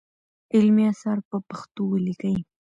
علمي اثار په پښتو ولیکئ.